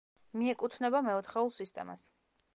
მიეკუთვნება მეოთხეულ სისტემას.